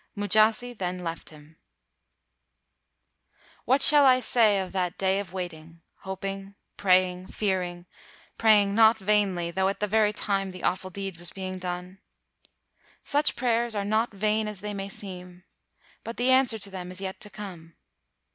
Mujasi then left him." 217 WHITE MAN OF WORK "What shall I say of that day of wait ing, hoping, praying, fearing — praying not vainly, though at the very time the awful deed was being done? "Such prayers are not vain as they may seem, but the answer to them is yet to come.